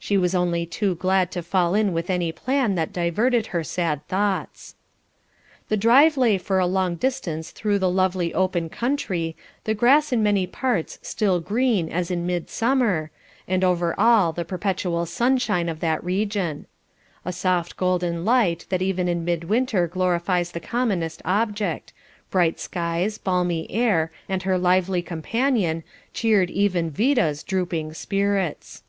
She was only too glad to fall in with any plan that diverted her sad thoughts. The drive lay for a long distance through the lovely open country, the grass in many parts still green as in midsummer, and over all the perpetual sunshine of that region. A soft golden light that even in mid winter glorifies the commonest object; bright skies, balmy air, and her lively companion, cheered even Vida's drooping spirits.